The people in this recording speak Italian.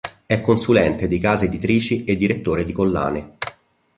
È consulente di case editrici e direttore di collane.